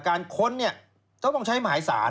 ค้นเนี่ยต้องใช้หมายสาร